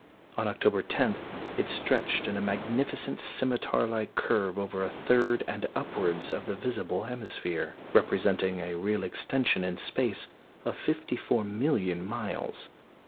On October 10 it stretched in a magnificent scimitar like curve over a third and upwards of the visible hemisphere, representing a real extension in space of fifty four million miles.